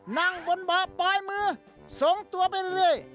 นั่งบนบ่อปลายมือส่งตัวไปเรื่อย